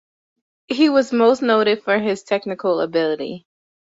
He was most noted for his technical ability.